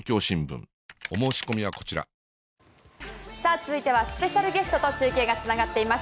続いてはスペシャルゲストと中継がつながっています。